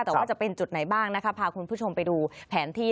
แต่ว่าจะเป็นจุดไหนบ้างนะคะพาคุณผู้ชมไปดูแผนที่